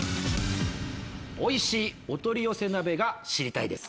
おいしいお取り寄せ鍋が知りたいです。